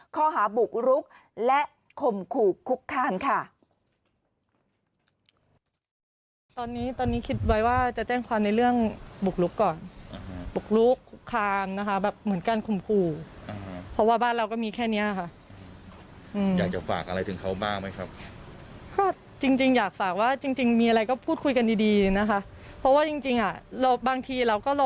ข้อหาบุกรุกและข่มขู่คุกคานค่ะ